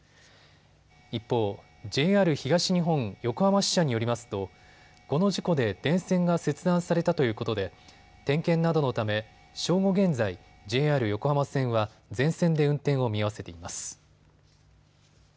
一方、ＪＲ東日本横浜支社によりますとこの事故で電線が切断されたということで点検などのため正午現在ＪＲ横浜線は全線で運転を見合わせています。